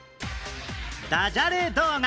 ダジャレ動画